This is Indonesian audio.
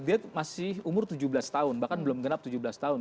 dia masih umur tujuh belas tahun bahkan belum genap tujuh belas tahun